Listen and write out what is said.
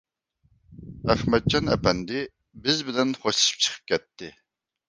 ئەخمەتجان ئەپەندى بىز بىلەن خوشلىشىپ چىقىپ كەتتى.